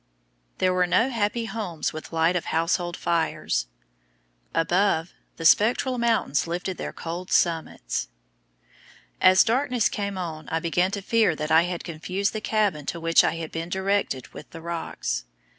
There were no happy homes with light of household fires; above, the spectral mountains lifted their cold summits. As darkness came on I began to fear that I had confused the cabin to which I had been directed with the rocks.